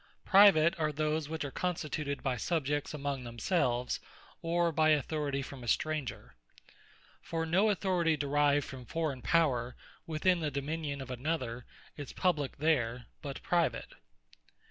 Private, are those, which are constituted by Subjects amongst themselves, or by authoritie from a stranger. For no authority derived from forraign power, within the Dominion of another, is Publique there, but Private.